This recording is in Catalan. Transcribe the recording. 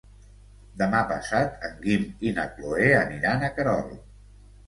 Demà passat en Guim i na Cloè aniran a Querol.